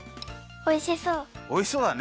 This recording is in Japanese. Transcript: おいしそうだね。